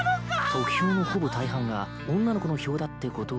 得票のほぼ大半が女の子の票だってことは。